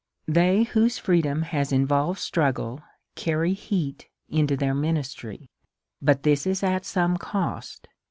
They whose freedom has involved struggle carry heat into their ministry. But this is at some cost.